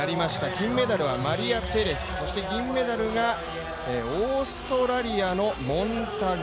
金メダルはマリア・ペレス、そして銀メダルがオーストラリアのモンタグ。